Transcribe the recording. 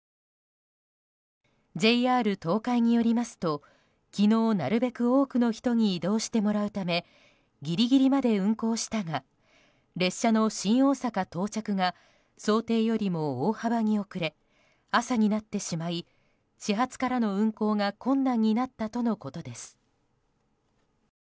ＪＲ東海によりますと昨日、なるべく多くの人に移動してもらうためギリギリまで運行したが列車の新大阪到着が想定よりも大幅に遅れ朝になってしまい始発からの運行が困難になったとのことです。